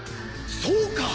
そうか！